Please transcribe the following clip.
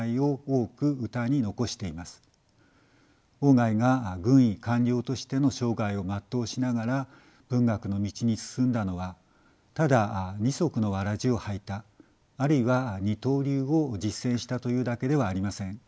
外が軍医官僚としての生涯を全うしながら文学の道に進んだのはただ二足のわらじを履いたあるいは二刀流を実践したというだけではありません。